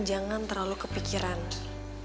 jangan terlalu kepikiran lo sama mondi